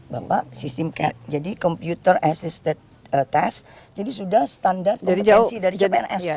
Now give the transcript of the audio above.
bapak sistem cat jadi komputer assisted test jadi sudah standar kompetensi dari cpns